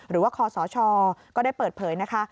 หรือว่าคศก็ได้เปิดเผยนะคะ